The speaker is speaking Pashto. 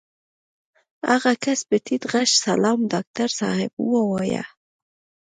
هغه کس په ټيټ غږ سلام ډاکټر صاحب ووايه.